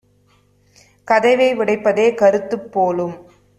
கதவை உடைப்பதே கருத்துப் போலும்!"